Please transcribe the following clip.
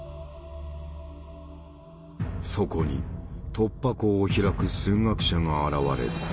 そこに突破口を開く数学者が現れる。